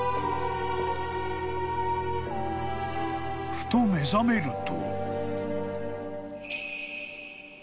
［ふと目覚めると］